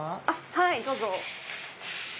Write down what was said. はいどうぞ。